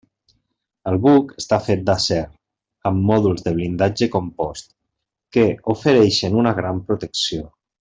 El buc està fet d'acer amb mòduls de blindatge compost, que ofereixen una gran protecció.